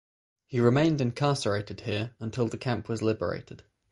He remained incarcerated here until the camp was liberated.